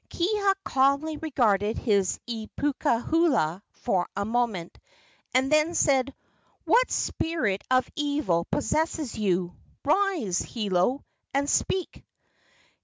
Kiha calmly regarded his ipukuha for a moment, and then said: "What spirit of evil possesses you? Rise, Hiolo, and speak!"